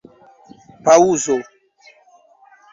paŭzo